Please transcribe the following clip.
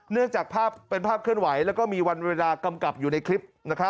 จากภาพเป็นภาพเคลื่อนไหวแล้วก็มีวันเวลากำกับอยู่ในคลิป